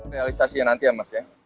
realisasinya nanti ya mas ya